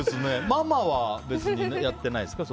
ママは別にやってないですか。